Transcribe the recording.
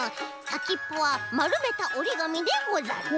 さきっぽはまるめたおりがみでござる。